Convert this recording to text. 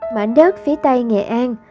mãnh đất phía tây nghệ an